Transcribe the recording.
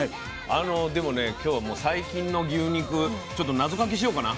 あのでもね今日は最近の牛肉ちょっと謎かけしようかな。